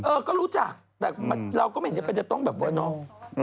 เออก็รู้จักแต่เราก็ไม่เห็นว่าจะต้องแบบว่าน้อง